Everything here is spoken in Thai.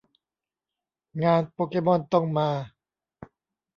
งานโปเกมอนต้องมา